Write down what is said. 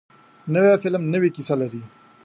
نوی فلم نوې کیسه لري